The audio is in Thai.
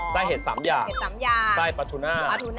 ใส้เห็ดสำหญาใส้ปลาทุน่า